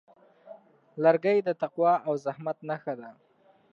لرګی د تقوا او زحمت نښه ده.